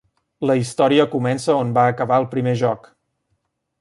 La història comença on va acabar el primer joc.